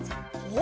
お！